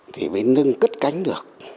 thì mới nâng cất cánh được